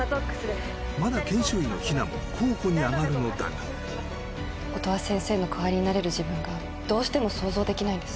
まだ研修医の比奈も候補に挙がるのだが音羽先生の代わりになれる自分がどうしても想像できないんです